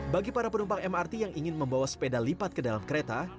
bagi para penumpang mrt yang ingin membawa sepeda lipat ke dalam kereta